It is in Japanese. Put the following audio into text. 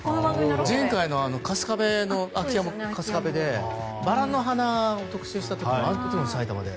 前回の空き家も春日部でもバラの花の特集をした時にあの時も埼玉で。